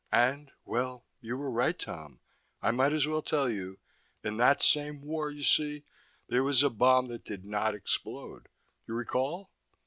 "And well, you are right, Tom. I might as well tell you. In that same war, you see, there was a bomb that did not explode. You recall?"